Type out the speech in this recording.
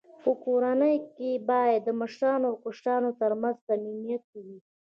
په کورنۍ کي باید د مشرانو او کشرانو ترمنځ صميميت وي.